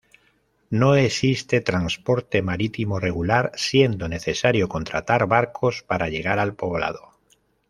No existe transporte marítimo regular, siendo necesario contratar barcos para llegar al poblado.